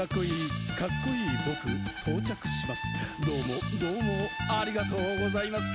「どうもどうもありがとうございます」